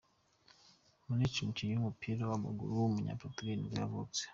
Maniche, umukinnyi w’umupira w’amaguru w’umunya-Portugal nibwo yavutse.